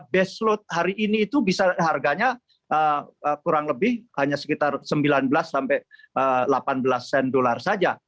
baseload hari ini itu bisa harganya kurang lebih hanya sekitar sembilan belas sampai delapan belas sen dolar saja